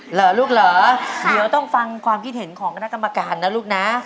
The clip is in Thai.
เหรอลูกเหรอเดี๋ยวต้องฟังความคิดเห็นของคณะกรรมการนะลูกนะ